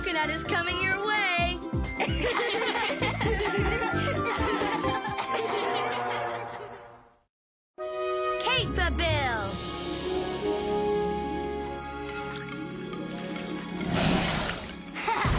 フハハハッ！